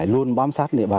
luôn bám sát địa bàn